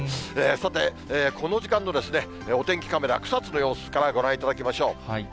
さて、この時間のお天気カメラ、草津の様子からご覧いただきましょう。